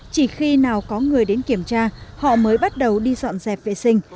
chỉ khi nào có người đến kiểm tra họ mới bắt đầu đi dọn dẹp vệ sinh